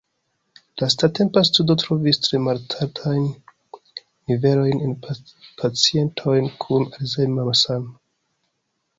Lastatempa studo trovis tre malaltajn nivelojn en pacientoj kun Alzheimer-malsano.